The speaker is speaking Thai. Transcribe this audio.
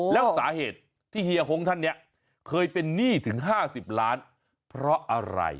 แล้วสาเหตุที่เฮียหงท่านเนี่ยเคยเป็นหนี้ถึง๕๐ล้านเพราะอะไร